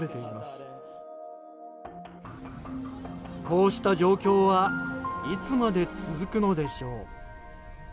こうした状況はいつまで続くのでしょう。